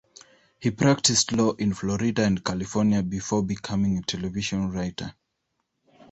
He practiced law in Florida and California before becoming a television writer.